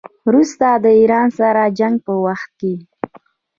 وروسته د ایران سره د جنګ په وخت کې.